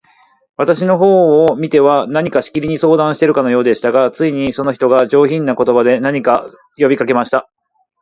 私の方を見ては、何かしきりに相談しているようでしたが、ついに、その一人が、上品な言葉で、何か呼びかけました。